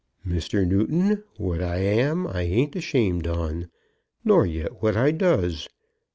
"Mr. Newton, what I am I ain't ashamed on, nor yet what I does.